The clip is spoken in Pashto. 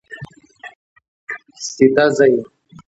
سیده ځئ